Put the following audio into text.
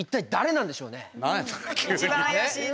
一番怪しいな。